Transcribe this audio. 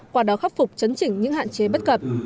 qua đó khắc phục chấn chỉnh những hạn chế bất cập